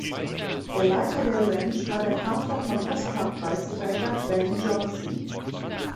Der Leiter der Ranch war der Vater von Oscarpreisträger Ben Johnson.